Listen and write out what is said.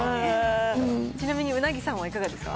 ちなみに、鰻さんはいかがですか？